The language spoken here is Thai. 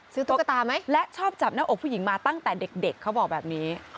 ตุ๊กตาไหมและชอบจับหน้าอกผู้หญิงมาตั้งแต่เด็กเขาบอกแบบนี้